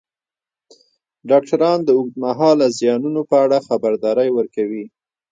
ډاکټران د اوږدمهاله زیانونو په اړه خبرداری ورکوي.